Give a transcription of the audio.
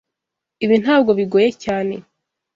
Ibi ntabwo bigoye cyane.